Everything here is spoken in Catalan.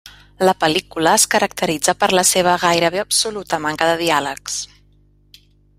La pel·lícula es caracteritza per la seva gairebé absoluta manca de diàlegs.